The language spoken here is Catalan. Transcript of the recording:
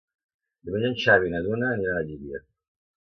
Diumenge en Xavi i na Duna aniran a Llívia.